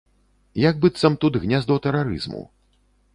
Як быццам тут гняздо тэрарызму.